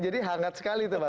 jadi hangat sekali itu